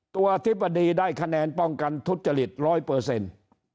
ตัวอธิบดีได้คะแนนป้องกันทุษฎฤษ๑๐๐